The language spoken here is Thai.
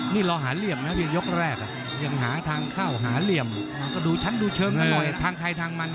เปี้ยงครับหลักซ้ายละตาม